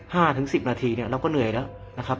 ๕๑๐นาทีเนี่ยเราก็เหนื่อยแล้ว